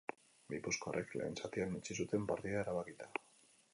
Gipuzkoarrek lehen zatian utzi zuten partida erabakita.